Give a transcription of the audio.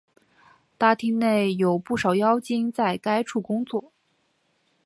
大厅内有不少妖精在该处工作。